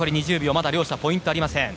まだ両者ポイントありません。